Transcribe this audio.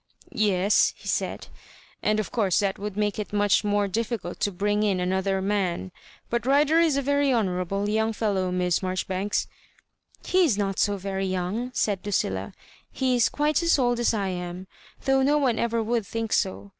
Tes," he said, "and of course that would make it much more difficult to bring in another man ; but Rider is a very honourable young fel low, Miss Marjoribanks "He is not 80 very young," said LuciUa. " He is quite as old as I am, though no one ever would think so.